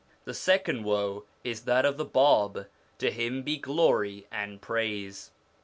The second woe is that of the Bab to him be glory and praise